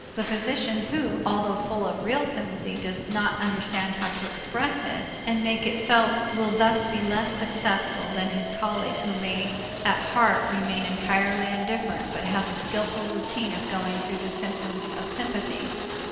The physician who, although full of real sympathy, does not understand how to express it and make it felt will thus be less successful than his colleague who may at heart remain entirely indifferent but has a skillful routine of going through the symptoms of sympathy.